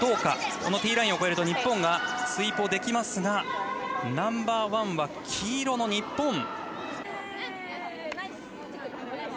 このティーラインを越えると日本が追投できますがナンバーワンは黄色の日本。